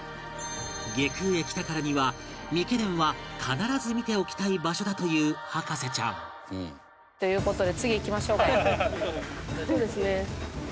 外宮へ来たからには御饌殿は必ず見ておきたい場所だという博士ちゃんという事で。